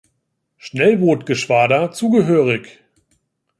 Schnellbootgeschwader zugehörig.